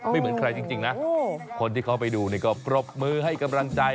เหมือนใครจริงนะคนที่เขาไปดูนี่ก็ปรบมือให้กำลังใจ